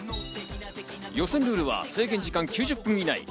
予選ルールは制限時間９０分以内。